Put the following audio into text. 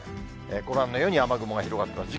ご覧のように雨雲が広がっています。